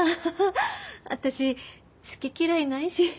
私好き嫌いないし。